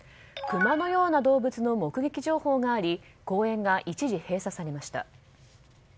クマのような動物の目撃情報があり公園が一時閉鎖されました。